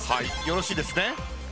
よろしいですね。